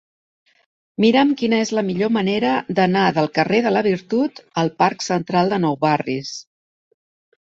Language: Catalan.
Mira'm quina és la millor manera d'anar del carrer de la Virtut al parc Central de Nou Barris.